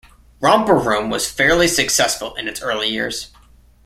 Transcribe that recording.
"Romper Room" was fairly successful in its early years.